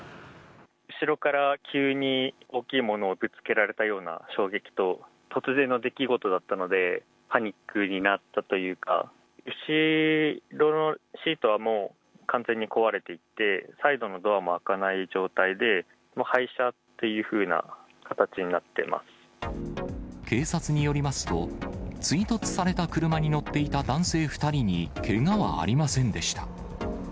後ろから急に大きいものをぶつけられたような衝撃と、突然の出来事だったので、パニックになったというか、後ろのシートは完全に壊れていて、サイドのドアも開かない状態で、廃車っていうふうな形になってま警察によりますと、追突された車に乗っていた男性２人にけがはありませんでした。